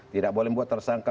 tidak boleh buat tersangka